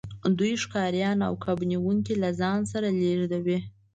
دوی ښکاریان او کب نیونکي له ځان سره لیږدوي